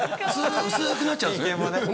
薄くなっちゃうんですね。